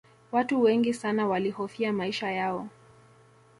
watu wengi sana walihofia maisha yao